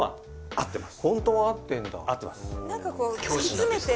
合ってます。